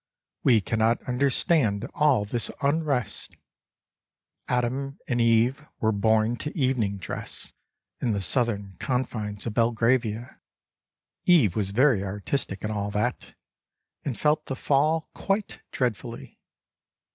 We cannot understand all this unrest ! Adam and Eve were born to evening dress In the southern confines Of Belgravia. Eve was very artistic, and all that, And felt the fall Quite dreadfully.